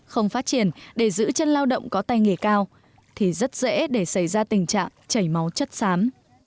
không phát triển để giữ chân lao động có tay nghề cao thì rất dễ để xảy ra tình trạng chảy máu chất xám